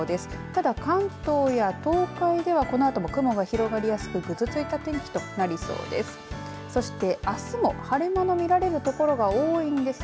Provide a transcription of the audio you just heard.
ただ関東や東海ではこのあとも雲が広がりやすくぐずついた天気となりそうです。